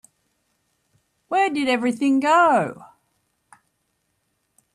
Where did everything go?